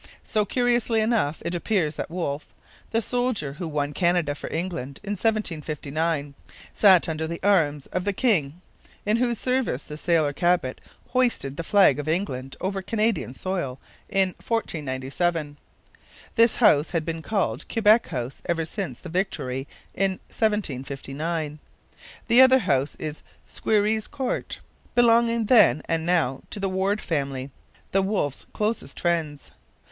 So, curiously enough, it appears that Wolfe, the soldier who won Canada for England in 1759, sat under the arms of the king in whose service the sailor Cabot hoisted the flag of England over Canadian soil in 1497. This house has been called Quebec House ever since the victory in 1759. The other house is Squerryes Court, belonging then and now to the Warde family, the Wolfes' closest friends.